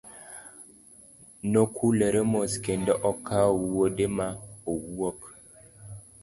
Nokulore mos kendo okawo wuode ma owuok.